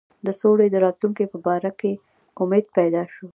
د سولي د راتلونکي په باره کې امید پیدا شو.